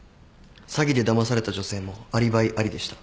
詐欺でだまされた女性もアリバイありでした。